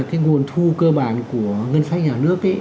cái nguồn thu cơ bản của ngân sách nhà nước